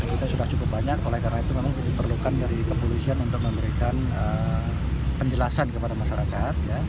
kita sudah cukup banyak oleh karena itu memang diperlukan dari kepolisian untuk memberikan penjelasan kepada masyarakat